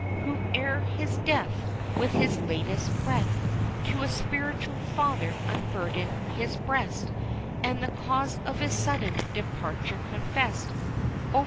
Who ere his death, With his latest breath, To a spiritual father unburdened his breast And the cause of his sudden departure confest, "Oh!